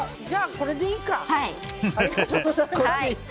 じゃあ、これでいいか！